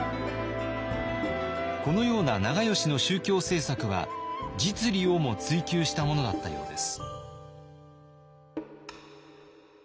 このような長慶の宗教政策は実利をも追求したものだったようです。